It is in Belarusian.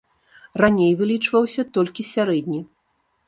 Раней вылічваўся толькі сярэдні.